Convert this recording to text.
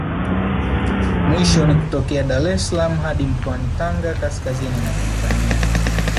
Mwisho ni kutokea Dar es salaam hadi mkoani Tanga kaskazini mwa Tanzania